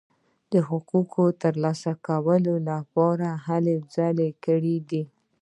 د حقونو ترلاسه کولو لپاره یې هلې ځلې کړي دي.